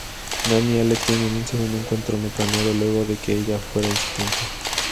Dan y Alex tienen un segundo encuentro no planeado luego que ella fuera insistente.